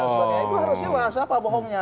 harusnya lah siapa bohongnya